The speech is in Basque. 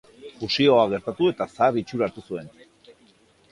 Fusioa gertatu eta zahar itxura hartu zuen.